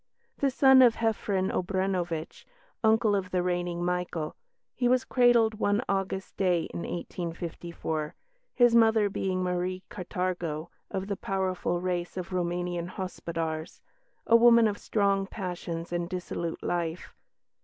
The son of Jefrenn Obrenovitch, uncle of the reigning Michael, he was cradled one August day in 1854, his mother being Marie Catargo, of the powerful race of Roumanian "Hospodars," a woman of strong passions and dissolute life.